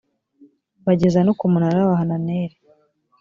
bageza no ku munara wa hananeli